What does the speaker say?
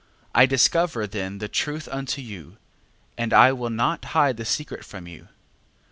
12:11. I discover then the truth unto you, and I will not hide the secret from you.